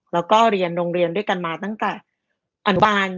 แล้วก็เรียนโรงเรียนด้วยกันมาตั้งแต่อนุบาล